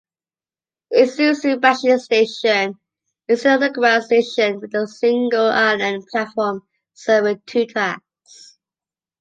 Itsutsubashi Station is an underground station with a single island platform serving two tracks.